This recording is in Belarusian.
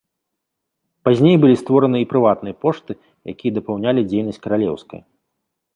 Пазней былі створаны і прыватныя пошты, якія дапаўнялі дзейнасць каралеўскай.